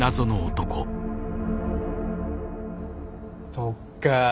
そっか。